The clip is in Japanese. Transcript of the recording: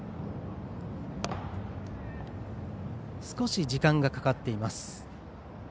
少し時間がかかっています。